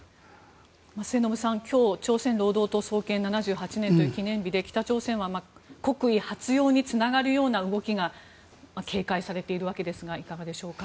末延さん、今日朝鮮労働党創建７８年という記念日で北朝鮮は国威発揚につながるような動きが警戒されているわけですがいかがでしょうか。